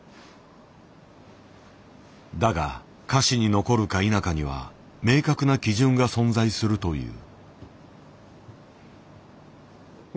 だが歌詞に残るか否かには明確な基準が存在するという。